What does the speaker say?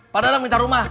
pak dadang minta rumah